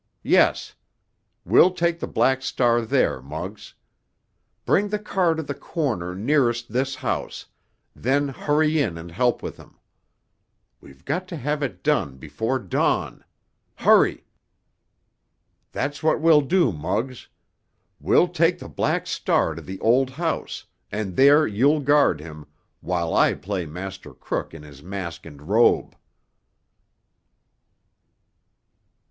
"Yes. We'll take the Black Star there, Muggs. Bring the car to the corner nearest this house, then hurry in and help with him. We've got to have it done before dawn. Hurry! That's what we'll do, Muggs! We'll take the Black Star to the old house, and there you'll guard him, while I play master crook in his mask and robe."